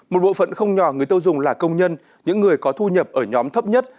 một bộ phận không nhỏ người tiêu dùng là công nhân những người có thu nhập ở nhóm thấp nhất